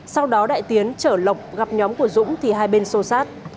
sau đó đại tiến chở lộc gặp nhóm của dũng thì hai bên xô sát